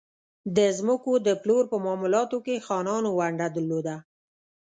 د ځمکو د پلور په معاملاتو کې خانانو ونډه درلوده.